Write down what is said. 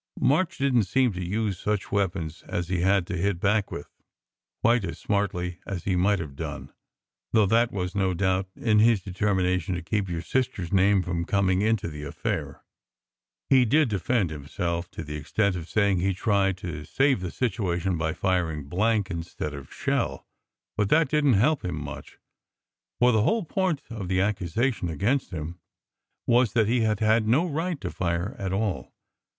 March didn t seem to use such weapons as he had to hit back with, quite as smartly as he might have done, though that was, no doubt, in his determination to keep your sister s name from coming into the affair. He did de fend himself to the extent of saying he d tried to save the situation by firing blank instead of shell; but that didn t help him much, for the whole point of the accusation against him was that he had had no right to fire at all.